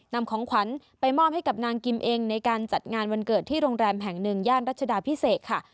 นำของขวัญไปมอบให้กับนางกิมเองในการจัดงานวันเกิดที่โรงแรมแห่งหนึ่งย่านรัชดาพิเศษค่ะ